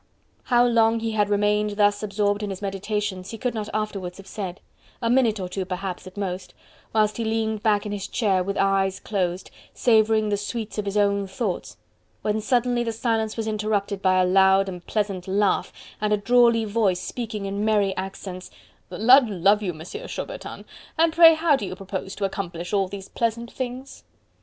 How long he had remained thus absorbed in his meditations, he could not afterwards have said; a minute or two perhaps at most, whilst he leaned back in his chair with eyes closed, savouring the sweets of his own thoughts, when suddenly the silence was interrupted by a loud and pleasant laugh and a drawly voice speaking in merry accents: "The lud live you, Monsieur Chaubertin, and pray how do you propose to accomplish all these pleasant things?"